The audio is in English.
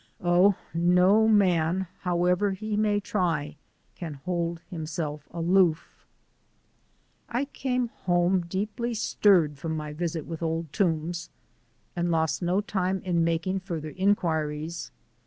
Oh, no man, however may try, can hold himself aloof! I came home deeply stirred from my visit with Old Toombs and lost no time in making further inquiries.